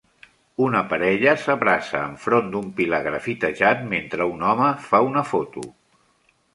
Una parella abraça enfront d'un pilar grafitejat mentre un home fa una foto.